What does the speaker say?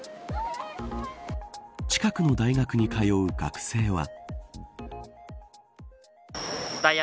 近くの大学に通う学生は。